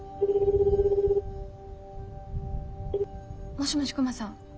もしもしクマさん